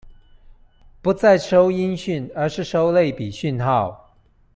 不再收音訊而是收類比訊號